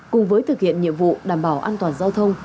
cùng với thực hiện nhiệm vụ đảm bảo an toàn giao thông